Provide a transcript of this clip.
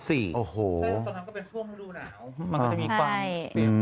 ตอนนั้นก็เป็นช่วงฤดูหนาว